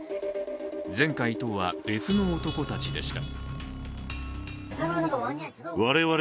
前回とは別の男たちでした。